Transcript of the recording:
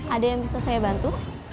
ada yang bisa saya bantu